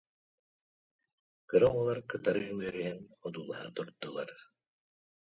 Кыра оҕолор кытары үмүөрүһэн одуулаһа турдулар